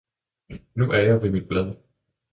Nu er jeg ved mit blad!